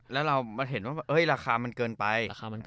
แล้วเราเห็นว่าราคามันเกินไป